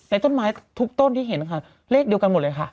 ต้นไม้ทุกต้นที่เห็นค่ะเลขเดียวกันหมดเลยค่ะ